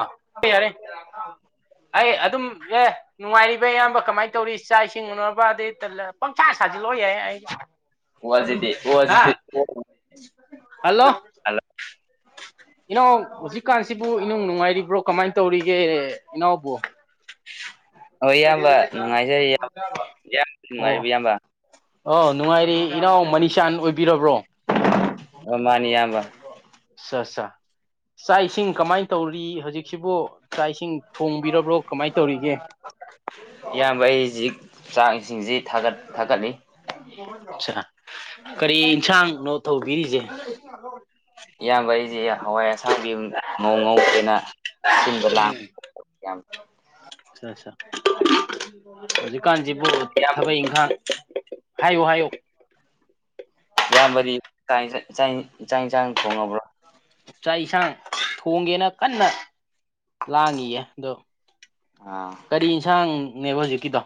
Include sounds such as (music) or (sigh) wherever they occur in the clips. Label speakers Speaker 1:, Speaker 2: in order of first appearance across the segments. Speaker 1: ꯑ ꯌꯥꯔꯦ ꯑꯩ ꯑꯗꯨꯝ ꯑꯦ ꯅꯨꯡꯉꯥꯏꯔꯤꯕ ꯑꯌꯥꯝꯕ ꯀꯃꯥꯏꯅ ꯇꯧꯔꯤ ꯆꯥꯛ ꯏꯁꯤꯡ ꯎꯨꯅꯕ ꯑꯗꯩ ꯄꯪꯁꯥ ꯁꯥꯖꯤꯜꯂꯛꯑꯣ ꯌꯥꯏ ꯑꯩꯅ
Speaker 2: ꯋꯥꯁꯤꯗꯤ
Speaker 1: ꯍꯥ
Speaker 2: ꯋꯥꯁꯤꯗꯤ
Speaker 1: ꯍꯜꯂꯣ ꯏꯩꯅꯣ ꯍꯧꯖꯤꯛꯀꯥꯟꯁꯤꯕꯨ ꯅꯨꯡ ꯅꯨꯡꯉꯥꯏꯔꯤꯕ꯭ꯔꯣ ꯀꯃꯥꯏꯅ ꯇꯧꯔꯤꯒꯦ ꯏꯅꯥꯎꯕ
Speaker 2: ꯍꯣꯏ ꯏꯌꯥꯝꯕ ꯅꯨꯡꯉꯥꯏꯖꯩ ꯏꯌꯥꯝꯕꯗꯤ ꯅꯨꯡꯉꯥꯏꯔꯤꯕ ꯏꯌꯥꯝꯕ
Speaker 1: ꯑ ꯅꯨꯡꯉꯥꯏꯔꯦ ꯏꯅꯥꯎ ꯃꯅꯤꯁꯥꯟ ꯑꯣꯏꯕꯤꯔꯕ꯭ꯔꯣ
Speaker 2: ꯑ ꯃꯥꯅꯤ ꯌꯥꯝꯕ
Speaker 1: ꯑ ꯑꯠꯆꯥ ꯆꯥꯛ ꯏꯁꯤꯡ ꯀꯃꯥꯏꯅ ꯇꯧꯔꯤ ꯍꯧꯖꯤꯛꯁꯤꯕꯨ ꯆꯥꯛ ꯏꯁꯤꯡ ꯊꯣꯡꯕꯤꯔꯕ꯭ꯔꯣ ꯀꯃꯥꯏꯅ ꯇꯧꯔꯤꯒꯦ
Speaker 2: ꯏꯌꯥꯝꯕ ꯑꯩ ꯍꯧꯖꯤꯛ ꯆꯥꯡ ꯏꯁꯤꯡꯁꯤ ꯊꯥꯒꯠ ꯊꯥꯒꯠꯂꯤ
Speaker 1: ꯑꯆꯥ ꯀꯔꯤ ꯑꯦꯟꯁꯥꯡꯅꯣ ꯊꯧꯕꯤꯔꯤꯁꯦ (inaudible)
Speaker 2: ꯏꯌꯥꯝꯕ ꯑꯩꯁꯦ ꯍꯋꯥꯏ ꯑꯁꯥꯡꯕꯤ ꯃꯣꯡ ꯉꯧꯒꯦꯅ ꯁꯤꯟꯕ ꯂꯥꯡꯕ ꯑꯣ
Speaker 1: ꯑ ꯑꯠꯥ ꯍꯧꯖꯤꯛꯀꯥꯟꯁꯤꯕꯨ ꯊꯕꯛ ꯏꯪꯈꯥꯡ ꯍꯥꯏꯌꯨ ꯍꯥꯏꯌꯨ
Speaker 2: ꯏꯌꯥꯝꯕꯗꯤ ꯆꯥꯛ ꯏꯟꯁꯥꯡ ꯆꯥꯛ ꯏꯟꯁꯥꯡ ꯊꯣꯡꯉꯕ꯭ꯔꯣ
Speaker 1: ꯆꯥꯛ ꯏꯁꯥꯡ ꯊꯣꯡꯒꯦꯅ ꯀꯟꯅ ꯂꯥꯡꯉꯤꯌꯦ ꯑꯗꯣ
Speaker 2: ꯑꯥ
Speaker 1: ꯀꯔꯤ ꯏꯟꯁꯥꯡꯅꯦꯕ ꯍꯧꯖꯤꯛꯀꯤꯗꯣ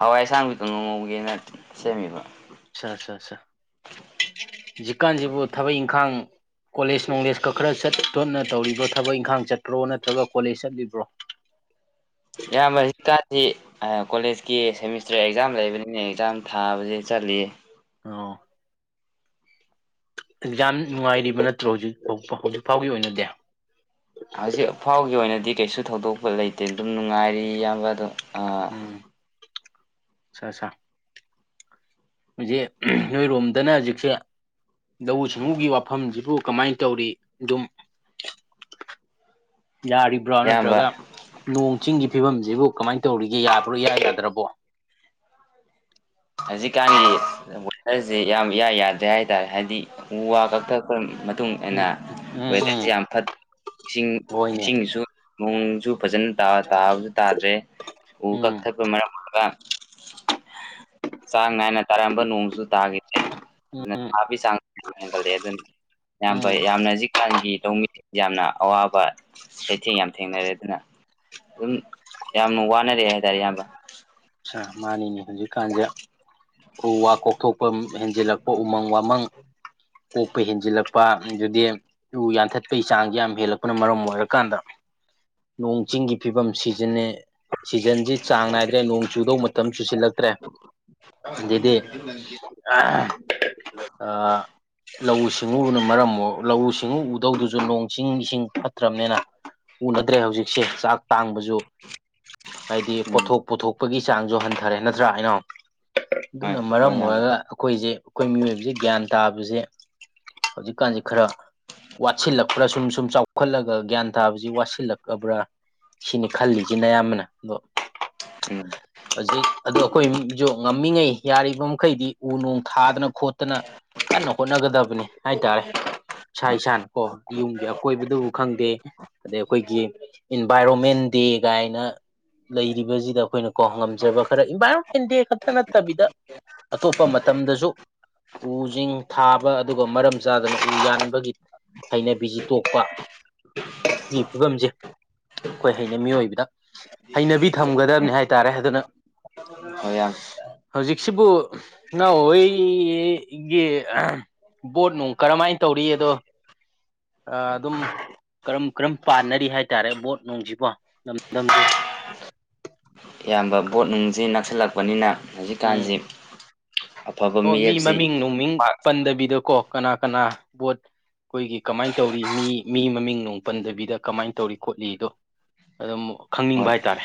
Speaker 2: ꯍꯋꯥꯏ ꯑꯁꯥꯡꯕꯤꯗ ꯀꯥꯡꯒꯧ ꯉꯧꯒꯦꯅ ꯁꯦꯝꯃꯤꯕ
Speaker 1: ꯑꯁ ꯑꯁ ꯍꯧꯖꯤꯛꯀꯥꯟꯖꯤꯕꯨ ꯊꯕꯛ ꯏꯪꯈꯥꯡ ꯀꯣꯂꯦꯖ ꯅꯣꯂꯦꯖꯀꯛ ꯈꯔ ꯆ ꯇꯣꯠꯅ ꯇꯧꯔꯤꯕ꯭ꯔꯣ ꯊꯕꯛ ꯏꯪꯈꯥꯡ ꯆꯠꯄ꯭ꯔꯣ ꯅꯠꯇ꯭ꯔꯒ ꯀꯣꯂꯦꯖ ꯆꯠꯂꯤꯕ꯭ꯔꯣ
Speaker 2: ꯏꯌꯥꯝꯕ (unintelligible) ꯀꯣꯂꯦꯖꯀꯤ ꯁꯦꯃꯤꯁꯇꯔ ꯑꯦꯛꯖꯥꯝ ꯂꯩꯕꯅꯤꯅ ꯑꯦꯛꯖꯥꯝ ꯊꯥꯕꯖꯦ ꯆꯠꯂꯤꯌꯦ
Speaker 1: ꯑꯣ ꯑꯦꯛꯖꯥꯝ ꯅꯨꯡꯉꯥꯏꯔꯤꯕ ꯅꯠꯇ꯭ꯔꯣ ꯍꯧꯖꯤꯛ ꯍꯧꯖꯤꯛ ꯐꯥꯎꯒꯤ ꯑꯣꯏꯅꯗꯤ
Speaker 2: ꯍꯧꯖꯤꯛꯐꯥꯎꯒꯤ ꯑꯣꯏꯅꯗꯤ ꯀꯩꯁꯨ ꯊꯧꯗꯣꯛꯄ ꯂꯩꯇꯦ ꯑꯗꯨꯝ ꯅꯨꯡꯉꯥꯏꯔꯤ ꯏꯌꯥꯝꯕ ꯑꯗꯣ ꯑ
Speaker 1: ꯑꯁꯥ ꯑꯁꯥ ꯍꯧꯖꯤꯛ ꯅꯣꯏꯔꯣꯝꯗꯅ ꯍꯧꯖꯤꯛꯁꯦ ꯂꯧꯎ ꯁꯤꯡꯎꯒꯤ ꯋꯥꯐꯝꯁꯤꯕꯨ ꯀꯃꯥꯏꯅ ꯇꯧꯔꯤ ꯑꯗꯨꯝ ꯌꯥꯔꯤꯕ꯭ꯔꯥ
Speaker 2: ꯏꯌꯥꯝꯕ
Speaker 1: ꯅꯠꯇ꯭ꯔꯒ ꯅꯣꯡ ꯆꯤꯡꯒꯤ ꯐꯤꯕꯝꯖꯤꯕꯨ ꯀꯃꯥꯏꯅ ꯇꯧꯔꯤꯒꯦ ꯌꯥꯕ꯭ꯔꯣ ꯏꯌꯥ ꯌꯥꯗ꯭ꯔꯕꯣ
Speaker 2: ꯍꯧꯖꯤꯛꯀꯥꯟꯒꯤ ꯋꯦꯗ꯭ꯔꯖꯤ ꯌꯥꯝ ꯏꯌꯥ ꯌꯥꯗ꯭ꯔꯦ ꯍꯥꯏꯇꯥꯔꯦ ꯍꯥꯏꯗꯤ ꯎ ꯋꯥ ꯀꯛꯊ ꯃꯇꯨꯡ ꯑꯟꯅ
Speaker 1: ꯎꯝ ꯎꯝ
Speaker 2: ꯋꯦꯗꯔꯁꯦ
Speaker 1: ꯎꯝ
Speaker 2: ꯌꯥꯝ ꯐꯠꯇꯦ ꯏꯁꯤꯡ
Speaker 1: ꯍꯣꯏꯅꯦ
Speaker 2: ꯏꯁꯤꯡꯁꯨ ꯅꯨꯡꯖꯨ ꯐꯖꯅ ꯇꯥꯕꯁꯨ ꯇꯥꯗ꯭ꯔꯦ ꯎ
Speaker 1: ꯎꯝ
Speaker 2: ꯀꯛꯊꯠꯄ ꯃꯔꯝ ꯑꯣꯏꯔꯒ ꯆꯥꯡ ꯅꯥꯏꯅ ꯇꯥꯔꯝꯕ ꯅꯣꯡꯖꯨ ꯇꯥꯒꯤꯗ꯭ꯔꯦ ꯑꯗꯨꯅ
Speaker 1: ꯎꯝ
Speaker 2: ꯁꯥꯕ ꯆꯥꯡ ꯌꯥꯝ ꯍꯦꯟꯒꯠꯂꯛꯑꯦ ꯑꯗꯨꯅ ꯏꯌꯥꯝꯕ
Speaker 1: ꯎꯝ
Speaker 2: ꯌꯥꯝꯅ ꯍꯧꯖꯤꯛꯀꯥꯟꯒꯤ ꯂꯧꯃꯤꯁꯦ ꯌꯥꯝꯅ ꯑꯋꯥꯕ ꯆꯩꯊꯦꯡ ꯌꯥꯝ ꯊꯦꯡꯅꯔꯦ ꯑꯗꯨꯅ ꯑꯗꯨꯝ ꯌꯥꯝ ꯋꯥꯅꯔꯦ ꯍꯥꯏꯇꯥꯔꯦ ꯏꯌꯥꯝꯕ
Speaker 1: ꯑꯠꯁꯥ ꯃꯥꯅꯤꯅꯦ ꯍꯧꯟꯖꯤꯛ ꯀꯥꯟꯖꯦ ꯎ ꯋꯥ ꯀꯣꯛꯊꯣꯛꯄ ꯍꯦꯟꯖꯤꯜꯂꯛꯄ ꯎꯃꯪ ꯋꯥꯃꯪ ꯀꯣꯛꯄ ꯍꯦꯟꯖꯤꯜꯂꯛꯄ ꯑꯗꯨꯗꯤ ꯎ ꯌꯥꯟꯊꯠꯄꯒꯤ ꯆꯥꯡꯖꯦ ꯌꯥꯝ ꯍꯦꯜꯂꯛꯄꯅ ꯃꯔꯝ ꯑꯣꯏꯔꯀꯥꯟꯗ ꯅꯣꯡ ꯆꯤꯡꯒꯤ ꯐꯤꯕꯝ ꯁꯤꯖꯟꯅꯦ ꯁꯤꯖꯟꯖꯤ ꯆꯥꯡ ꯅꯥꯏꯗ꯭ꯔꯦ ꯅꯣꯡ ꯆꯨꯗꯧ ꯃꯇꯝ ꯆꯨꯁꯤꯜꯂꯛꯇ꯭ꯔꯦ ꯑꯗꯗꯤ (unintelligible) ꯑ ꯂꯧꯎ ꯁꯤꯡꯎꯕꯅ ꯃꯔꯝ ꯑꯣꯏ ꯂꯧꯎ ꯁꯤꯡꯎ ꯎꯗꯧꯗꯨꯁꯨ ꯅꯣꯡ ꯆꯤꯡ ꯏꯁꯤꯡ ꯐꯠꯇ꯭ꯔꯕꯅꯤꯅ ꯎꯅꯗ꯭ꯔꯦ ꯍꯧꯖꯤꯛꯁꯦ ꯆꯥꯛ ꯇꯥꯡꯕꯁꯨ ꯍꯥꯏꯗꯤ
Speaker 2: ꯎꯝ
Speaker 1: ꯄꯣꯠꯊꯣꯛ ꯄꯨꯣꯊꯣꯛ ꯒꯤ ꯆꯥꯡꯖꯨ ꯍꯟꯊꯔꯦ ꯅꯠꯇ꯭ꯔꯥ ꯑꯩꯅ
Speaker 2: ꯍꯣꯏ
Speaker 1: ꯑꯗꯨꯅ ꯃꯔꯝ
Speaker 2: ꯍꯣꯏ ꯏꯌꯥꯝꯕ
Speaker 1: ꯑꯣꯏꯔꯒ ꯑꯩꯈꯣꯏꯖꯦ ꯑꯩꯈꯣꯏ ꯃꯤꯑꯣꯏꯕꯖꯦ ꯒ꯭ꯌꯥꯟ ꯇꯥꯕꯖꯦ ꯍꯧꯖꯤꯛꯀꯥꯟꯖꯦ ꯈꯔ ꯋꯥꯠꯁꯤꯜꯂꯛꯄ꯭ꯔꯥ ꯁꯨꯝ ꯁꯨꯝ ꯆꯥꯎ ꯂꯧꯈꯠꯂꯒ ꯒ꯭ꯌꯥꯟ ꯇꯥꯕꯖꯤ ꯋꯥꯠꯁꯤꯜꯂꯛꯑꯕ꯭ꯔꯥ ꯁꯤꯅꯤ ꯈꯜꯂꯤꯖꯦ ꯅꯌꯥꯝꯕꯅ ꯑꯗꯣ
Speaker 2: ꯎꯝ
Speaker 1: ꯍꯧꯖꯤꯛ ꯑꯗꯣ ꯑꯩꯈꯣꯏꯖꯨ ꯉꯝꯃꯤꯉꯩ ꯌꯥꯔꯤꯕ ꯃꯈꯩꯗꯤ ꯎ ꯅꯨꯡ ꯊꯥꯗꯅ ꯈꯣꯠꯇꯅ ꯀꯟꯅ ꯍꯣꯠꯅꯒꯗꯕꯅꯤ ꯍꯥꯏꯇꯥꯔꯦ ꯏꯁꯥ ꯏꯁꯥꯅ ꯀꯣ ꯌꯨꯝꯒꯤ ꯑꯀꯣꯏꯕꯗꯨꯕꯨ ꯈꯪꯗꯦ ꯑꯗꯩ ꯑꯩꯈꯣꯏꯒꯤ ꯏꯟꯚꯥꯏꯔꯣꯟꯃꯦꯟ ꯗꯦ ꯀꯥꯏꯅ ꯂꯩꯔꯤꯕꯖꯤ ꯑꯩꯈꯣꯏꯅ ꯀꯣ ꯉꯝꯖꯕ ꯈꯔ ꯏꯟꯚꯥꯏꯔꯣꯟꯃꯦꯟ ꯗꯦ ꯈꯛꯇ ꯅꯠꯇꯕꯤꯗ ꯑꯇꯣꯞꯄ ꯃꯇꯝꯗꯖꯨ ꯎꯖꯤꯡ ꯊꯥꯕ ꯑꯗꯨꯒ ꯃꯔꯝ ꯆꯥꯗꯅ ꯎ ꯌꯥꯟꯕꯒꯤ ꯍꯩꯅꯕꯤꯖꯤ ꯇꯣꯛꯄ ꯁꯤꯒꯤ ꯐꯤꯕꯝꯖꯦ ꯑꯩꯈꯣꯏ ꯍꯩꯅꯩ ꯃꯤꯑꯣꯏꯕꯗ ꯍꯩꯅꯕꯤ ꯊꯝꯒꯗꯕꯅꯤ ꯍꯥꯏ ꯍꯥꯏ ꯇꯥꯔꯦ ꯑꯗꯨꯅ
Speaker 2: ꯍꯣꯏ ꯏꯌꯥꯝ
Speaker 1: ꯍꯧꯖꯤꯛꯁꯤꯕꯨ ꯏꯅꯥꯎ ꯍꯣꯏ ꯒꯤ ꯕꯣꯠ ꯅꯨꯡ ꯀꯔꯝꯥꯏꯅ ꯇꯧꯔꯤ ꯑꯗꯣ ꯑꯗꯨꯝ ꯀꯔꯝ ꯀꯔꯝ ꯄꯥꯟꯅꯔꯤ ꯍꯥꯏꯇꯥꯔꯦ ꯕꯣꯠ ꯅꯨꯡꯖꯔꯕꯨ ꯂꯝꯗꯝ
Speaker 2: ꯏꯌꯥꯝꯕ ꯕꯣꯠ ꯅꯨꯡꯖꯤ ꯅꯛꯁꯤꯜꯂꯛꯄꯅꯤꯅ ꯍꯧꯖꯤꯛꯀꯥꯟꯖꯤ
Speaker 1: ꯑꯣ ꯃꯤ ꯃꯃꯤꯡ ꯅꯨꯃꯤꯡ
Speaker 2: ꯄꯥꯛ
Speaker 1: ꯄꯟꯗꯕꯤꯗꯀꯣ ꯀꯅꯥ ꯀꯅꯥ ꯕꯣꯠ ꯑꯩꯈꯣꯏꯒꯤ ꯀꯃꯥꯏꯅ ꯇꯧꯔꯤ ꯃꯤ ꯃꯤ ꯃꯃꯤꯡ ꯅꯨꯡ ꯄꯟꯗꯕꯤꯗ ꯀꯃꯥꯏꯅ ꯇꯧꯔꯤ ꯈꯣꯠꯂꯤꯗꯣ ꯑꯗꯨꯝ ꯈꯪꯅꯤꯡꯕ
Speaker 2: ꯍꯣꯏ
Speaker 1: ꯍꯥꯏꯇꯥꯔꯦ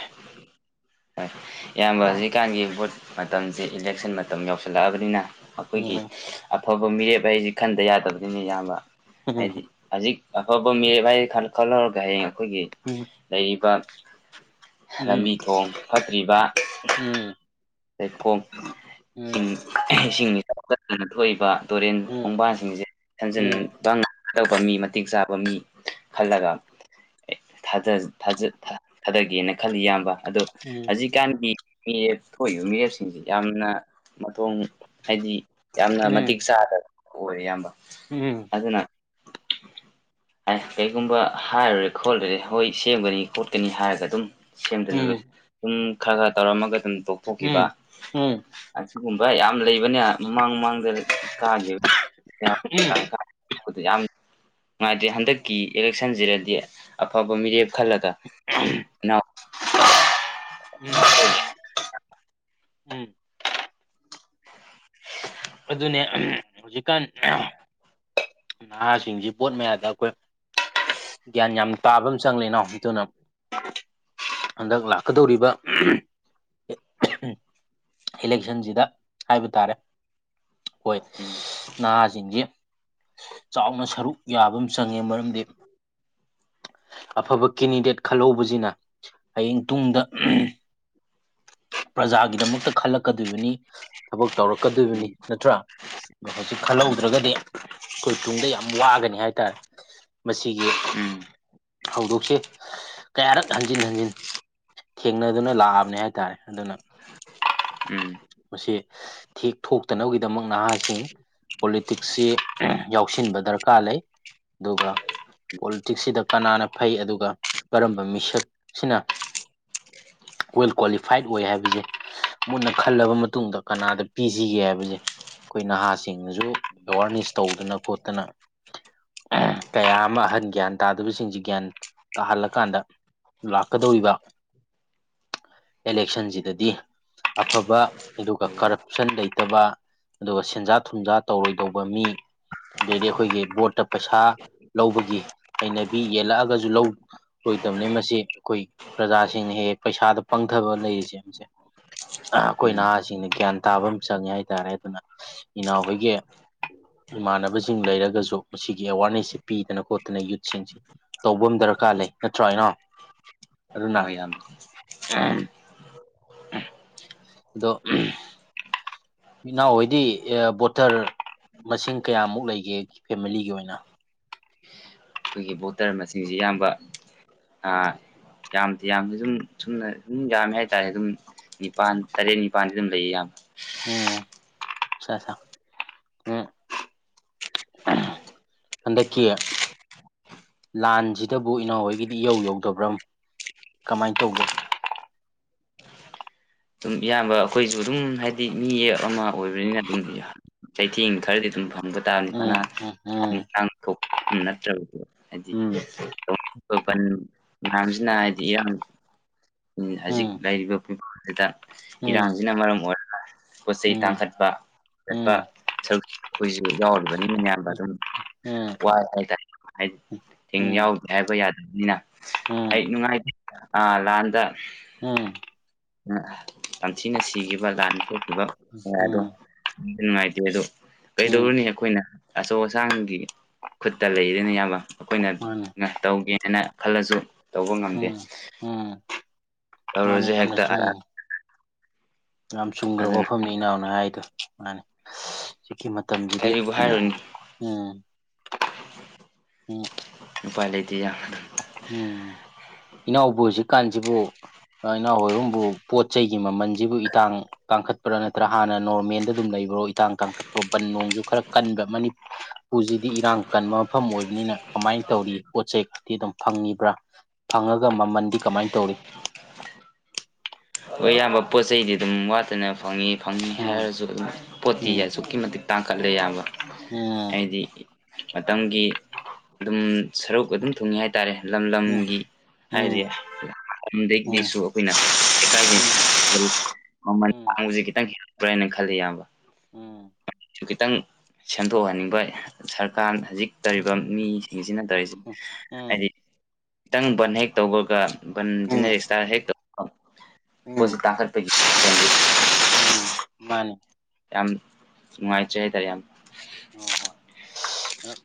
Speaker 2: ꯍꯣꯏ ꯏꯌꯥꯝꯕ ꯍꯧꯖꯤꯛꯀꯥꯟꯒꯤ ꯚꯣꯠ ꯃꯇꯝꯁꯦ ꯏꯂꯦꯛꯁꯟ ꯃꯇꯝ ꯌꯧꯁꯜꯂꯛꯑꯕꯅꯤꯅ ꯑꯩꯈꯣꯏꯒꯤ
Speaker 1: ꯎꯝ
Speaker 2: ꯑꯐꯕ ꯃꯤꯔꯦꯞ ꯍꯥꯏꯁꯤ ꯈꯟꯗ ꯌꯥꯗꯕꯅꯤꯅꯤ ꯏꯌꯥꯝꯕ
Speaker 1: ꯎꯝ
Speaker 2: ꯍꯥꯏꯗꯤ ꯍꯧꯖꯤꯛ ꯑꯐꯕ ꯃꯤꯔꯦꯞ ꯍꯥꯏ ꯈꯜꯍꯧꯔꯒ ꯍꯌꯦꯡ ꯑꯩꯈꯣꯏꯒꯤ
Speaker 1: ꯎꯝ
Speaker 2: ꯂꯩꯔꯤꯕ ꯂꯝꯕꯤ ꯊꯣꯡ ꯐꯠꯇ꯭ꯔꯤꯕ
Speaker 1: ꯎꯝ
Speaker 2: ꯂꯩꯈꯣꯝ ꯏꯁꯤꯡ ꯏꯁꯤꯡ ꯏꯆꯥꯎ (unintelligible) ꯊꯣꯛꯏꯕ ꯇꯨꯔꯦꯟ ꯈꯣꯡꯕꯥꯟꯁꯤꯡꯁꯦ ꯊꯟꯖꯤꯟ ꯇꯥꯡꯅ ꯇꯧꯕ ꯃꯤ ꯃꯇꯤꯛ ꯆꯥꯕ ꯃꯤ ꯈꯜꯂꯒ ꯑꯦ ꯊꯥꯗ ꯊꯥꯗꯒꯦꯅ ꯈꯜꯂꯤ ꯏꯌꯥꯝꯕ ꯑꯗꯣ
Speaker 1: ꯎꯝ
Speaker 2: ꯖꯤꯀꯥꯟꯒꯤ ꯃꯤꯔꯦꯞ ꯊꯣꯛꯏꯕ ꯃꯤꯔꯦꯞꯁꯤꯡꯁꯤ ꯌꯥꯝꯅ ꯃꯊꯣꯡ ꯍꯥꯏꯗꯤ ꯌꯥꯝꯅ ꯃꯇꯤꯛ ꯆꯥꯗꯕ ꯑꯣꯏꯔꯦ ꯑꯌꯥꯝꯕ
Speaker 1: ꯎꯝ
Speaker 2: ꯑꯗꯨꯅ ꯑ ꯀꯔꯤꯒꯨꯝꯕ ꯍꯥꯏꯔꯨꯔꯦ ꯈꯣꯠꯂꯨꯔꯦ ꯍꯣꯏ ꯁꯦꯝꯒꯅꯤ ꯈꯣꯠꯀꯅꯤ ꯍꯥꯏꯔꯒ ꯑꯗꯨꯝ ꯁꯦꯝꯗꯅ ꯂꯣꯏꯁꯤ ꯑꯗꯨꯝ ꯈꯔ ꯈꯔ ꯇꯧꯔꯝꯃꯒ ꯑꯗꯨꯝ ꯇꯣꯛꯊꯣꯛꯈꯤꯕ ꯑꯁꯤꯒꯨꯝꯕ ꯌꯥꯝ ꯂꯩꯕꯅꯦ ꯃꯃꯥꯡ ꯃꯃꯥꯡꯗ ꯀꯥꯈꯤꯕ (unintelligible) (unintelligible) ꯌꯥꯝ ꯅꯨꯡꯉꯥꯏꯇ꯭ꯔꯦ ꯍꯟꯗꯛꯀꯤ ꯏꯂꯦꯛꯁꯟꯁꯤꯗꯗꯤ ꯑꯐꯕ ꯃꯤꯔꯦꯞ ꯈꯜꯂꯒ ꯏꯅꯥꯎ
Speaker 1: (unintelligible) ꯎꯝ
Speaker 2: ꯑ (unintelligible) (unintelligible)
Speaker 1: ꯑꯗꯨꯅꯦ (unintelligible) ꯍꯧꯖꯤꯛꯀꯥꯟ ꯅꯍꯥꯁꯤꯡꯁꯤ ꯚꯣꯠ ꯃꯌꯥꯗ ꯑꯩꯈꯣꯏ ꯒ꯭ꯌꯥꯟ ꯌꯥꯝ ꯇꯥꯕ ꯑꯃ ꯆꯪꯂꯦ ꯏꯅꯥꯎ ꯑꯗꯨꯅ (unintelligible) ꯍꯟꯗꯛ ꯂꯥꯛꯀꯗꯧꯔꯤꯕ (unintelligible) (unintelligible) ꯏꯂꯦꯛꯁꯟꯁꯤꯗ ꯍꯥꯏꯕ ꯇꯥꯔꯦ ꯍꯣꯏ
Speaker 2: ꯎꯝ
Speaker 1: ꯅꯍꯥꯁꯤꯡꯁꯤ ꯆꯥꯎꯅ ꯁꯔꯨꯛ ꯌꯥꯕ ꯑꯃ ꯆꯪꯉꯦ ꯃꯔꯝꯗꯤ ꯑꯐꯕ ꯀꯦꯟꯗꯤꯗꯦꯠ ꯈꯜꯍꯧꯕꯁꯤꯅ ꯍꯌꯦꯡ ꯇꯨꯡꯗ ꯄ꯭ꯔꯖꯥꯒꯤꯗꯃꯛꯇ ꯈꯜꯂꯛꯀꯗꯣꯏꯕꯅꯤ ꯊꯕꯛ ꯇꯧꯔꯛꯀꯗꯣꯏꯕꯅꯤ ꯅꯠꯇ꯭ꯔꯥ ꯑꯗꯣ ꯍꯧꯖꯤꯛ ꯈꯜꯍꯧꯗ꯭ꯔꯒꯗꯤ ꯑꯩꯈꯣꯏ ꯇꯨꯡꯗ ꯌꯥꯝ ꯋꯥꯒꯅꯤ ꯍꯥꯏ ꯍꯥꯏꯇꯥꯔꯦ ꯃꯁꯤꯒꯤ
Speaker 2: ꯎꯝ
Speaker 1: ꯍꯧꯗꯣꯛꯁꯦ (unintelligible) ꯀꯌꯥꯔꯛ ꯍꯟꯖꯤꯟ ꯍꯟꯖꯤꯟ ꯊꯦꯡꯅꯗꯨꯅ ꯂꯥꯛꯑꯕꯅꯦ ꯍꯥꯏꯇꯥꯔꯦ ꯑꯗꯨꯅ
Speaker 2: ꯎꯝ
Speaker 1: ꯃꯁꯤ ꯊꯦꯛ ꯊꯣꯛꯇꯅꯕꯒꯤꯗꯃꯛ ꯅꯍꯥꯁꯤꯡ ꯄꯣꯂꯤꯇꯤꯛꯁꯁꯤ ꯌꯥꯎꯁꯤꯟꯕ ꯗꯔꯀꯥꯔ ꯂꯩ ꯑꯗꯨꯒ ꯄꯣꯂꯤꯇꯤꯛꯁꯁꯤꯗ ꯀꯅꯥꯅ ꯐꯩ ꯑꯗꯨꯒ ꯀꯔꯝꯕ ꯃꯤꯁꯛꯁꯤꯅ ꯋꯦꯜ ꯀ꯭ꯋꯥꯂꯤꯐꯥꯏꯠ ꯑꯣꯏ ꯍꯥꯏꯕꯁꯦ ꯃꯨꯟꯅ ꯈꯜꯂꯕ ꯃꯇꯨꯡꯗ ꯀꯅꯥꯗ ꯄꯤꯁꯤꯒꯦ ꯍꯥꯏꯕꯁꯦ ꯑꯩꯈꯣꯏ ꯅꯍꯥꯁꯤꯡꯅꯁꯨ ꯑꯦꯋꯥꯔꯅꯦꯁ ꯇꯧꯗꯅ ꯈꯣꯠꯇꯅ ꯀꯌꯥ ꯑꯃ ꯑꯍꯟ ꯒ꯭ꯌꯥꯟ ꯇꯥꯗꯕꯁꯤꯡꯁꯤ ꯒ꯭ꯌꯥꯟ ꯇꯥꯍꯜꯂꯀꯥꯟꯗ ꯂꯥꯛꯀꯗꯧꯔꯤꯕ ꯑꯦꯂꯦꯛꯁꯟꯁꯤꯗꯗꯤ ꯑꯐꯕ (unintelligible) ꯑꯗꯨꯒ ꯀꯔꯞꯁꯟ ꯂꯩꯇꯕ ꯑꯗꯨꯒ ꯁꯦꯟꯖꯥ ꯊꯨꯝꯖꯥ ꯇꯧꯔꯣꯏꯗꯧꯕ ꯃꯤ ꯑꯗꯩꯗꯤ ꯑꯩꯈꯣꯏꯒꯤ ꯕꯣꯠꯇ ꯄꯩꯁꯥ ꯂꯧꯕꯒꯤ ꯍꯩꯅꯕꯤ ꯌꯦꯜꯂꯛꯑꯒꯁꯨ ꯂꯧ ꯂꯣꯏꯗꯕꯅꯤ ꯃꯁꯤ ꯑꯩꯈꯣꯏ ꯄ꯭ꯔꯖꯥꯁꯤꯡꯅ ꯍꯦꯛ ꯍꯦꯛ ꯄꯩꯁꯥꯗ ꯄꯪꯊꯕ ꯂꯩꯔꯤꯁꯦ ꯃꯁꯦ ꯑꯩꯈꯣꯏ
Speaker 2: ꯎꯝ
Speaker 1: ꯅꯍꯥꯁꯤꯡꯅ ꯒ꯭ꯌꯥꯟ ꯇꯥꯕ ꯑꯃ ꯆꯪꯉꯦ ꯍꯥꯏꯇꯥꯔꯦ ꯑꯗꯨꯅ ꯏꯅꯥꯎꯈꯣꯏꯒꯤ ꯏꯃꯥꯟꯅꯕꯁꯤꯡ ꯂꯩꯔꯒꯁꯨ ꯃꯁꯤꯒꯤ ꯑꯦꯋꯥꯔꯅꯦꯁꯁꯤ ꯄꯤꯗꯅ ꯈꯣꯠꯇꯅ ꯌꯨꯠꯁꯤꯡꯁꯤ ꯇꯧꯕ ꯑꯃ ꯗꯔꯀꯥꯔ ꯂꯩ ꯅꯠꯇ꯭ꯔꯣ ꯏꯅꯥꯎ ꯑꯗꯨꯅ
Speaker 2: ꯑꯣꯏ ꯌꯥꯝ
Speaker 1: (unintelligible) ꯑꯗꯣ ꯏꯅꯥꯎ ꯍꯣꯏꯗꯤ ꯕꯣꯇꯔ ꯃꯁꯤꯡ ꯀꯌꯥꯃꯨꯛ ꯂꯩꯒꯦ ꯐꯦꯃꯤꯂꯤꯒꯤ ꯑꯣꯏꯅ
Speaker 2: ꯑꯩꯈꯣꯏꯒꯤ ꯕꯣꯇꯔ ꯃꯁꯤꯡꯖꯤ ꯏꯌꯥꯝꯕ ꯑꯥ ꯌꯥꯝꯗꯤ ꯌꯥꯝꯗꯤ ꯑꯗꯨꯝ ꯁꯨꯝꯅ ꯑꯗꯨꯝ ꯌꯥꯝꯃꯦ ꯍꯥꯏꯇꯥꯔꯦ ꯑꯗꯨꯝ ꯅꯤꯄꯥꯟ ꯇꯔꯦꯠ ꯅꯤꯄꯥꯟꯗꯤ ꯑꯗꯨꯝ ꯂꯩꯌꯦ ꯏꯌꯥꯝ
Speaker 1: ꯑꯣ ꯑꯆꯥ ꯑꯆꯥ ꯎꯝ ꯍꯟꯗꯛꯀꯤ ꯂꯥꯟꯖꯤꯗꯕꯨ ꯏꯅꯥꯎ ꯍꯣꯏꯒꯤꯗꯤ ꯏꯌꯧ ꯌꯧꯗꯕ꯭ꯔꯥ ꯀꯃꯥꯏꯅ ꯇꯧꯒꯦ
Speaker 2: ꯑꯗꯨꯝ ꯏꯌꯥꯝꯕ ꯑꯩꯈꯣꯏꯖꯨ ꯑꯗꯨꯝ ꯍꯥꯏꯗꯤ ꯃꯤ ꯑꯃ ꯑꯣꯏꯕꯅꯤꯅ ꯑꯗꯨꯝ ꯆꯩꯊꯦꯡ ꯈꯔꯗꯤ ꯑꯗꯨꯝ ꯐꯪꯕ
Speaker 1: ꯎꯝ ꯎꯝ
Speaker 2: (unintelligible) ꯊꯣꯛꯄ ꯅꯠꯇ꯭ꯔꯕꯗꯤ ꯍꯥꯏꯗꯤ
Speaker 1: ꯎꯝ
Speaker 2: ꯑꯁꯣꯛ ꯑꯄꯜ ꯃꯌꯥꯝꯁꯤꯅ ꯍꯥꯏꯗꯤ ꯏꯔꯥꯡ ꯍꯧꯖꯤꯛ
Speaker 1: ꯎꯝ
Speaker 2: ꯂꯩꯔꯤꯕ (unintelligible)
Speaker 1: ꯎꯝ
Speaker 2: ꯏꯔꯥꯡꯖꯤꯅ ꯃꯔꯝ ꯑꯣꯏꯔꯒ ꯄꯣꯠ ꯆꯩꯩ
Speaker 1: ꯎꯝ
Speaker 2: ꯇꯥꯡꯈꯠꯄꯠ ꯍꯦꯟꯒꯠꯄ
Speaker 1: ꯎꯝ
Speaker 2: ꯁꯔꯨꯛ ꯑꯩꯈꯣꯏꯖꯨ ꯌꯥꯎꯔꯤꯕꯅꯤ ꯃꯌꯥꯝꯕ ꯑꯗꯨꯝ
Speaker 1: ꯎꯝ ꯎꯝ
Speaker 2: ꯋꯥꯏ ꯍꯥꯏꯇꯥꯔꯦ ꯍꯥꯏꯗꯤ ꯊꯤꯡ
Speaker 1: ꯎꯝ
Speaker 2: ꯌꯥꯎ ꯍꯥꯏꯕ ꯌꯥꯗꯕꯅꯤꯅ ꯑꯩ ꯅꯨꯡꯉꯥꯏꯇꯦ ꯑꯥ ꯂꯥꯟꯗ
Speaker 1: ꯎꯝ
Speaker 2: ꯇꯝꯊꯤꯅ ꯁꯤꯒꯤꯕ ꯂꯥꯟ ꯊꯣꯛꯈꯤꯕ ꯀꯌꯥꯗꯣ
Speaker 1: ꯎꯝ
Speaker 2: ꯅꯨꯡꯗꯤ ꯅꯨꯡꯉꯥꯏꯇꯦ ꯑꯗꯣ
Speaker 1: ꯎꯝ ꯎꯝ
Speaker 2: ꯀꯩꯗꯧꯔꯨꯅꯤ ꯑꯩꯈꯣꯏꯅ ꯑꯆꯧ ꯑꯁꯥꯡꯒꯤ ꯈꯨꯠꯇ ꯂꯩꯔꯦꯅꯦ ꯏꯌꯥꯝꯕ ꯑꯩꯈꯣꯏꯅ
Speaker 1: ꯃꯥꯅꯤ
Speaker 2: ꯇꯧꯒꯦ ꯍꯥꯏꯅ ꯈꯜꯂꯖꯨ ꯇꯧꯕ ꯉꯝꯗꯦ
Speaker 1: ꯎꯝ ꯎꯝ ꯃꯥꯅꯦ
Speaker 2: ꯇꯧꯔꯁꯨ
Speaker 1: ꯌꯥꯝꯅ
Speaker 2: ꯍꯦꯛꯇ
Speaker 1: ꯆꯨꯝ
Speaker 2: ꯑꯔꯥ
Speaker 1: ꯌꯥꯝ
Speaker 2: ꯑꯗꯨꯅ
Speaker 1: ꯆꯨꯝꯒ꯭ꯔꯕ ꯋꯥꯐꯝꯅꯤ ꯏꯅꯥꯎꯅ ꯍꯥꯏꯗꯣ ꯃꯥꯅꯦ ꯖꯤꯛꯀꯤ ꯃꯇꯝꯖꯤꯗꯤ
Speaker 2: ꯀꯔꯤꯕꯨ ꯍꯥꯏꯔꯨꯅꯤ
Speaker 1: ꯎꯝ ꯎꯝ
Speaker 2: ꯎꯄꯥꯏ ꯂꯩꯇꯦ ꯌꯥ
Speaker 1: ꯎꯝ ꯏꯅꯥꯎꯕꯨ ꯍꯧꯖꯤꯛꯀꯥꯟꯖꯤꯕꯨ ꯏꯅꯥꯎ ꯍꯣꯏꯔꯝꯕꯨ ꯄꯣꯠ ꯆꯩꯒꯤ ꯃꯃꯜꯖꯤꯕꯨ ꯏꯇꯥꯡ ꯀꯥꯡꯈꯠꯄ꯭ꯔꯥ ꯅꯠꯇ꯭ꯔꯥ ꯍꯥꯟꯅ ꯅꯣꯔꯃꯦꯟꯗ ꯑꯗꯨꯝ ꯂꯩꯕ꯭ꯔꯣ ꯏꯇꯥꯡ ꯀꯥꯡꯈꯠꯄ꯭ꯔꯣ ꯕꯟ ꯅꯣꯡꯖꯨ ꯈꯔ ꯀꯟꯕ ꯃꯅꯤ ꯄꯨꯖꯤꯗꯤ ꯏꯔꯥꯡ ꯀꯟꯕ ꯃꯐꯝ ꯑꯣꯏꯕꯅꯤꯅ ꯀꯃꯥꯏꯅ ꯇꯧꯔꯤ ꯄꯣꯠ ꯆꯩ ꯇꯤ ꯑꯗꯨꯝ ꯐꯪꯉꯤꯕ꯭ꯔꯥ ꯐꯪꯉꯒ ꯃꯥꯃꯟꯗꯤ ꯀꯃꯥꯏꯅ ꯇꯧꯔꯤ
Speaker 2: ꯍꯣꯏ ꯑꯌꯥꯝꯕ ꯄꯣꯠ ꯆꯩꯗꯤ ꯑꯗꯨꯝ ꯋꯥꯠꯇꯅ ꯐꯪꯉꯤ ꯐꯪꯅꯤ
Speaker 1: ꯎꯝ
Speaker 2: ꯍꯥꯏꯔꯖꯨ ꯑꯗꯨꯝ ꯄꯣꯠꯇꯤ
Speaker 1: ꯎꯝ
Speaker 2: ꯑꯁꯨꯛꯀꯤ ꯃꯇꯤꯛ ꯇꯥꯡꯈꯠꯂꯦ ꯏꯌꯥꯝꯕ
Speaker 1: ꯎꯝ
Speaker 2: ꯍꯥꯏꯗꯤ ꯃꯇꯝꯒꯤ ꯑꯗꯨꯝ ꯁꯔꯨꯛ ꯑꯗꯨꯝ ꯊꯨꯡꯉꯤ ꯍꯥꯏꯇꯥꯔꯦ ꯂꯝ ꯂꯝꯒꯤ ꯍꯥꯏꯗꯤ
Speaker 1: ꯎꯝ ꯎꯝ
Speaker 2: ꯑꯍꯨꯝꯗꯒꯤꯗꯤꯁꯨ ꯑꯩꯈꯣꯏꯅ ꯂꯩꯀꯥꯥꯏꯒꯤ ꯃꯃꯜ
Speaker 1: ꯎꯝ
Speaker 2: ꯇꯥꯕꯡꯖꯦ ꯈꯤꯇꯪ ꯍꯦꯜꯂꯛꯄ꯭ꯔꯥ ꯍꯥꯏꯅ ꯈꯜꯂꯤ ꯏꯌꯥꯝꯕ
Speaker 1: ꯎꯝ
Speaker 2: ꯈꯤꯇꯪ ꯁꯦꯝꯗꯣꯛꯍꯟꯅꯤꯡꯕ ꯁꯔꯀꯥꯔ ꯍꯧꯖꯤꯛ ꯇꯧꯔꯤꯕ ꯃꯤꯁꯤꯡꯁꯤꯅ ꯇꯧꯔꯤꯁꯤ
Speaker 1: ꯎꯝ
Speaker 2: ꯍꯥꯏꯗꯤ ꯈꯤꯇꯪ ꯕꯟ ꯍꯦꯛ ꯇꯧꯕꯒ ꯕꯟ ꯖꯤꯅꯦ
Speaker 1: ꯎꯝ
Speaker 2: ꯏꯁꯇꯥ ꯍꯦꯛ ꯇꯧ
Speaker 1: ꯎꯝ
Speaker 2: ꯄꯣꯠꯁꯤ ꯇꯥꯡꯈꯠꯄꯒꯤ (unintelligible)
Speaker 1: ꯃꯥꯅꯦ
Speaker 2: ꯌꯥꯝ ꯅꯨꯡꯉꯥꯏꯇ꯭ꯔꯦ ꯍꯥꯏꯇꯥꯔꯦ ꯏꯌꯥꯝ
Speaker 1: ꯑꯣꯏ ꯍꯣꯏ ꯑꯥ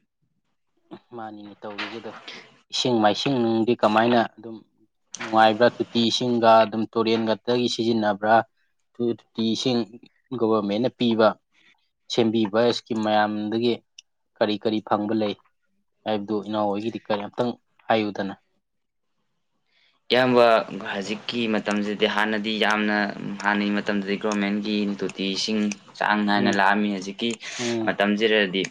Speaker 1: ꯃꯥꯅꯤꯅꯦ ꯇꯧꯔꯤꯁꯦ ꯑꯗꯣ ꯏꯁꯤꯡ ꯃꯥꯏꯁꯤꯡ ꯅꯨꯡꯗꯤ ꯀꯃꯥꯏꯅ ꯑꯗꯨꯝ ꯅꯨꯡꯉꯥꯏꯕ꯭ꯔꯥ ꯇꯣꯇꯤ ꯏꯁꯤꯡꯒ ꯑꯗꯨꯝ ꯇꯨꯔꯦꯟꯒꯛꯇꯒꯤ ꯁꯤꯖꯤꯟꯅꯕ꯭ꯔꯥ ꯨ ꯇꯨꯇꯤ ꯏꯁꯤꯡ ꯒꯣꯚꯔꯃꯦꯟꯅ ꯄꯤꯕ ꯁꯦꯝꯕꯤꯕ ꯀꯤꯝ ꯃꯌꯥꯝꯗꯒꯤ ꯀꯔꯤ ꯀꯔꯤ ꯐꯪꯕ ꯂꯩ ꯍꯥꯏꯕꯗꯨ ꯏꯅꯥꯎ ꯍꯣꯏꯒꯤꯗꯤ ꯀꯔꯤ ꯑꯝꯇꯪ ꯍꯥꯏꯌꯨꯗꯅ
Speaker 2: ꯏꯌꯥꯝꯕ ꯍꯧꯖꯤꯛꯀꯤ ꯃꯇꯝꯁꯤꯗꯤ ꯍꯥꯟꯅꯗꯤ ꯌꯥꯝꯅ ꯍꯥꯟꯅꯒꯤ ꯃꯇꯝꯗꯗꯤ ꯒꯣꯔꯃꯦꯟꯒꯤ ꯇꯤ ꯏꯁꯤꯡ ꯆꯥꯡ ꯅꯥꯏꯅ
Speaker 1: ꯎꯝ
Speaker 2: ꯂꯥꯛꯑꯝꯃꯤ ꯍꯧꯖꯤꯛꯀꯤ
Speaker 1: ꯎꯝ
Speaker 2: ꯃꯇꯝꯁꯤꯗꯗꯤ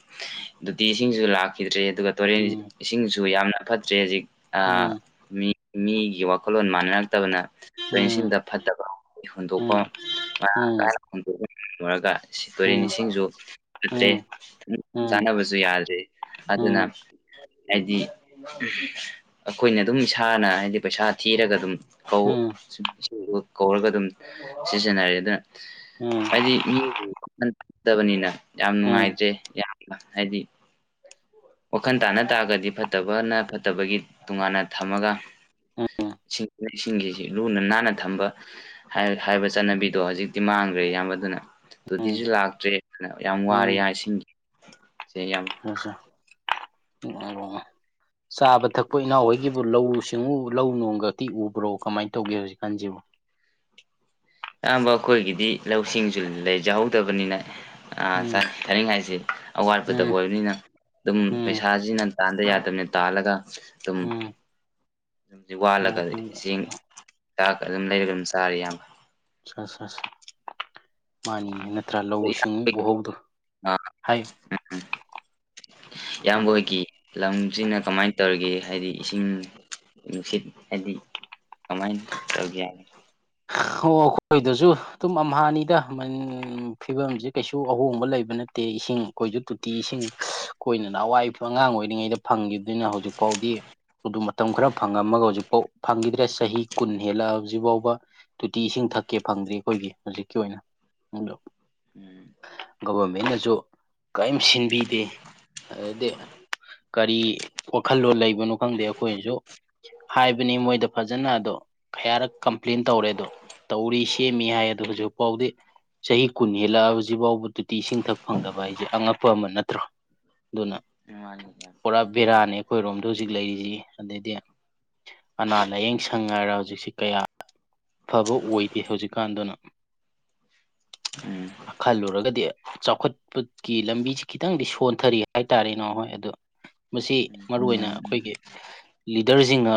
Speaker 2: ꯗꯨꯇꯤꯁꯤꯡꯁꯨ ꯂꯥꯛꯈꯤꯗ꯭ꯔꯦ ꯑꯗꯨꯒ ꯇꯨꯔꯦꯟ
Speaker 1: ꯎꯝ
Speaker 2: ꯏꯁꯤꯡꯁꯨ ꯌꯥꯝꯅ ꯐꯠꯇ꯭ꯔꯦ ꯍꯧꯖꯤꯛ
Speaker 1: ꯎꯝ
Speaker 2: ꯃꯤ ꯃꯤꯒꯤ ꯋꯥꯈꯜꯂꯣꯟ ꯃꯥꯟꯅꯔꯛꯇꯕꯅ
Speaker 1: ꯎꯝ
Speaker 2: ꯇ꯭ꯔꯦꯟꯁꯤꯡꯗ ꯐꯠꯇꯕ ꯍꯨꯟꯗꯣꯛꯄ
Speaker 1: ꯎꯝ
Speaker 2: ꯃꯔꯥꯡ
Speaker 1: ꯎꯝ
Speaker 2: ꯀꯥꯏꯅ ꯍꯨꯟꯗꯣꯛꯄ ꯑꯣꯏꯔꯒ ꯁꯤ ꯇꯨꯔꯦꯟ
Speaker 1: ꯎꯝ
Speaker 2: ꯏꯁꯤꯡꯁꯨ ꯐꯠꯇ꯭ꯔꯦ
Speaker 1: ꯎꯝ ꯎꯝ
Speaker 2: ꯆꯥꯅꯕꯁꯨ ꯌꯥꯗ꯭ꯔꯦ
Speaker 1: ꯎꯝ ꯎꯝ
Speaker 2: ꯑꯗꯨꯅ ꯍꯥꯏꯗꯤ ꯑꯩꯈꯣꯏꯅ ꯑꯗꯨꯝ ꯏꯁꯥꯅ ꯍꯥꯏꯗꯤ ꯍꯥꯏꯗꯤ ꯄꯩꯁꯥ ꯊꯤꯔꯒ
Speaker 1: ꯎꯝ
Speaker 2: ꯑꯗꯨꯝꯧ ꯀꯧꯔꯒ ꯑꯗꯨꯝ ꯁꯤꯖꯤꯟꯅꯔꯦ ꯑꯗꯨꯅ
Speaker 1: ꯎꯝ
Speaker 2: ꯍꯥꯏꯗꯤ ꯃꯤ ꯋꯥꯟꯗꯕꯅꯤꯅ ꯌꯥꯝ
Speaker 1: ꯎꯝ ꯎꯝ
Speaker 2: ꯅꯨꯡꯉꯥꯏꯇ꯭ꯔꯦ ꯌꯥꯝꯅ ꯍꯥꯏꯗꯤ ꯋꯥꯈꯟ ꯇꯥꯅ ꯇꯥꯔꯒꯗꯤ ꯐꯠꯇꯕꯅ ꯐꯠꯇꯕꯒꯤ ꯇꯣꯉꯥꯟꯅ ꯊꯝꯃꯒ ꯏꯁꯤꯡ ꯏꯁꯤꯡꯒꯤꯁꯤ ꯂꯨꯅ ꯅꯥꯟꯅ ꯊꯝꯕ ꯍꯥꯏꯕ ꯆꯠꯅꯕꯤꯗꯣ ꯍꯧꯖꯤꯛꯇꯤ ꯃꯥꯡꯈ꯭ꯔꯦ ꯑꯌꯥꯝꯕ ꯑꯗꯨꯅ ꯑꯗꯨꯗꯤꯁꯨ ꯂꯥꯛꯇ꯭ꯔꯦ ꯌꯥꯝ
Speaker 1: ꯎꯝ
Speaker 2: ꯋꯥꯔꯦ ꯌꯥ ꯏꯁꯤꯡꯁꯦ ꯌꯥꯝ
Speaker 1: ꯑ ꯎ ꯑꯣ ꯆꯥꯕ ꯊꯛꯄ ꯏꯅꯥꯎ ꯍꯣꯏꯒꯤꯕꯨ ꯂꯧꯁꯤ ꯁꯤꯡꯎ ꯂꯧ ꯅꯣꯡꯒ ꯇꯤ ꯎꯕ꯭ꯔꯣ ꯀꯃꯥꯏꯅ ꯇꯧꯒꯦ ꯍꯧꯖꯤꯛꯀꯥꯟꯁꯤꯕꯨ
Speaker 2: ꯑꯌꯥꯝꯕ ꯑꯩꯈꯣꯏꯒꯤꯗꯤ ꯂꯧꯁꯤꯡꯁꯨ ꯂꯩꯖꯍꯧꯗꯕꯅꯤꯅ ꯑ
Speaker 1: ꯎꯝ
Speaker 2: ꯁꯥꯔꯤ ꯍꯥꯏꯥꯏꯁꯤꯦ ꯑꯋꯥꯠꯄꯗ
Speaker 1: ꯎꯝ
Speaker 2: ꯑꯣꯏꯕꯅꯤꯅ ꯑꯗꯨꯝ
Speaker 1: ꯎꯝ
Speaker 2: ꯄꯩꯁꯥꯁꯤꯅ ꯇꯥꯟꯗ ꯌꯥꯗꯕꯅ ꯇꯥꯜꯂꯒ ꯑꯗꯨꯝ
Speaker 1: ꯎꯝ
Speaker 2: ꯑꯗꯨꯝ
Speaker 1: ꯑꯣ
Speaker 2: ꯋꯥꯠꯂꯒ
Speaker 1: ꯄꯨꯡ
Speaker 2: ꯏꯦꯡ ꯍꯤ ꯆꯥꯛ ꯑꯗꯨꯝ ꯂꯩꯔꯒ ꯑꯗꯨꯝ ꯁꯥꯔꯤ ꯌꯥꯝꯌꯥꯝꯕ
Speaker 1: ꯁ ꯁ ꯃꯥꯅꯤꯉ ꯅꯠꯇ꯭ꯔꯥ ꯂꯧꯎ ꯁꯤꯡꯎ ꯎꯍꯧꯗꯣ ꯍꯥꯏ
Speaker 2: ꯌꯥꯝꯍꯤ ꯂꯝꯁꯤꯅ ꯀꯃꯥꯏꯅ ꯇꯧꯔꯤꯒꯦ ꯍꯥꯏꯗꯤ ꯏꯁꯤꯡ ꯅꯨꯡꯁꯤꯠ ꯍꯥꯏꯗꯤ ꯀꯃꯥꯏꯅ ꯇꯧꯒꯦꯅ
Speaker 1: ꯑꯣ ꯀꯣꯏꯗꯁꯨ ꯑꯗꯨꯝ ꯑꯝꯍꯥꯅꯤꯗ ꯐꯤꯕꯝꯁꯦ ꯀꯩꯁꯨ ꯑꯍꯣꯡꯕ ꯂꯩꯕ ꯅꯠꯇꯦ ꯏꯁꯤꯡ ꯀꯣꯏꯁꯨ ꯇꯤꯁꯤꯡ ꯀꯣꯏꯅꯅ ꯑꯋꯥꯏꯄ ꯑꯉꯥꯡ ꯑꯣꯏꯔꯤꯉꯩꯗ ꯐꯪꯈꯤꯕꯗꯨꯅꯤꯅ ꯍꯧꯖꯤꯛꯐꯥꯎꯗꯤ ꯑꯗꯨ ꯃꯇꯝ ꯈꯔ ꯐꯪꯉꯝꯃꯒ ꯍꯧꯖꯤꯛꯐꯥꯎ ꯐꯪꯈꯤꯗ꯭ꯔꯦ ꯆꯍꯤ ꯀꯨꯟ ꯍꯦꯜꯂ ꯍꯧꯖꯤꯛ ꯐꯥꯎꯕ ꯇꯣꯇꯤ ꯏꯁꯤꯡ ꯊꯛꯀꯦ ꯐꯪꯗ꯭ꯔꯤ ꯑꯩꯈꯣꯏꯒꯤ ꯍꯧꯖꯤꯛꯀꯤ ꯑꯣꯏꯅ ꯒꯕꯔꯃꯦꯟꯅꯁꯨ ꯀꯔꯤꯝ ꯁꯤꯟꯕꯤꯗꯦ ꯑꯗꯗꯤ ꯀꯔꯤ ꯋꯥꯈꯜꯂꯣꯟꯣ ꯂꯩꯕꯅꯣ ꯈꯪꯗꯦ ꯑꯩꯈꯣꯏꯅꯁꯨ ꯍꯥꯏꯕꯅꯤ ꯃꯣꯏꯗ ꯐꯖꯅ ꯑꯗꯣ ꯈꯌꯥꯔꯛ ꯀꯝ ꯄ꯭ꯂꯤꯟ ꯇꯧꯔꯦ ꯑꯗꯣ ꯇꯧꯔꯤ ꯁꯦꯝꯃꯤ ꯍꯥꯏ ꯑꯗꯣ ꯍꯧꯖꯤꯛ ꯐꯥꯎꯗꯤ ꯆꯍꯤ ꯀꯨꯟ ꯍꯦꯜꯂꯛꯑ ꯍꯧꯖꯤꯛꯐꯥꯎꯕ ꯇꯨꯇꯤ ꯏꯁꯤꯡꯊꯛ ꯐꯪꯗꯕ ꯍꯥꯏꯁꯦ ꯑꯉꯛꯄ ꯑꯃ ꯅꯠꯇ꯭ꯔꯣ ꯑꯗꯨꯅ
Speaker 2: ꯎꯝ
Speaker 1: ꯄꯨꯔꯥ ꯕꯦꯔꯥꯅꯤ ꯑꯩꯈꯣꯏꯔꯣꯝꯗ ꯍꯧꯖꯤꯛ ꯂꯩꯔꯤꯁꯤ ꯑꯗꯩꯗꯤ ꯑꯅꯥ ꯂꯥꯏꯌꯦꯡ ꯁꯪ ꯍꯥꯏꯔ ꯍꯧꯖꯤꯛꯁꯤ ꯀꯌꯥ ꯐꯕ ꯑꯣꯏꯗꯦ ꯍꯧꯖꯤꯛꯀꯥꯟꯗꯨꯅ
Speaker 2: ꯎꯝ
Speaker 1: ꯈꯜꯂꯨꯔꯒꯗꯤ ꯆꯥꯎꯈꯠꯄꯒꯤ ꯂꯝꯕꯤꯁꯤ ꯈꯤꯇꯪꯗꯤ ꯁꯣꯟꯊꯔꯤ ꯍꯥꯏꯇꯥꯔꯦꯅꯣ ꯍꯣꯏ ꯑꯗꯨ ꯃꯁꯤ ꯃꯔꯨ
Speaker 2: ꯎꯝ
Speaker 1: ꯑꯣꯏꯅ
Speaker 2: ꯎꯝ
Speaker 1: ꯑꯩꯈꯣꯏꯒꯤ ꯂꯤꯗꯔꯁꯤꯡꯅ